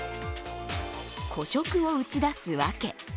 個食を打ち出すわけ。